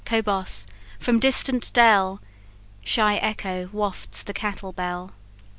cobos! from distant dell Shy echo wafts the cattle bell.